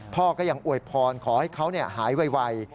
พ่อก็ยังอวยพรขอให้เขาหายไว